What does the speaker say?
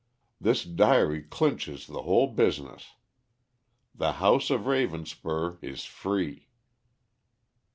This diary clinches the whole business. The house of Ravenspur is free."